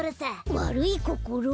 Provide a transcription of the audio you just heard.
わるいこころ！？